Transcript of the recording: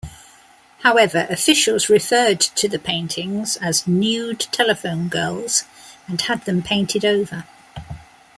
However officials referred to the paintings as "Nude Telephone Girls" and had them painted-over.